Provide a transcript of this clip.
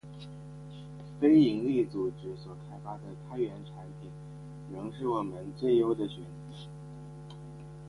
非营利组织所开发的开源产品，仍是我们最优的选择